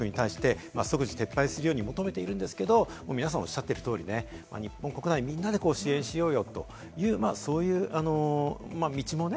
日本政府は中国に対して即時撤廃するよう求めているんですけれども、皆さんおっしゃっている通り、日本国内、みんなで支援しようよという、そういう道もね